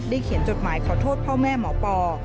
เขียนจดหมายขอโทษพ่อแม่หมอปอ